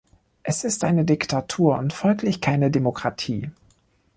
Es ist eine Diktatur und folglich keine Demokratie.